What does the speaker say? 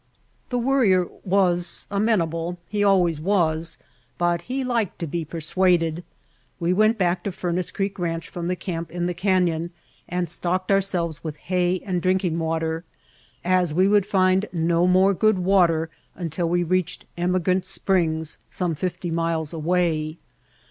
The Worrier was amenable; he always was, but he liked to be persuaded. We went back to Furnace Creek Ranch from the camp in the canyon and stocked ourselves with hay and drinking water, as we would find no more good water until we reached Emigrant Springs some fifty miles away.